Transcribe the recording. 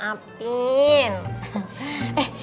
ya mpo neng udah maafin